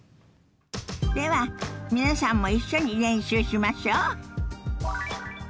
では皆さんも一緒に練習しましょ。